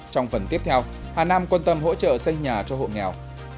trong phần tiếp theo hà nam quan tâm hỗ trợ xây nhà cho hộ nghèo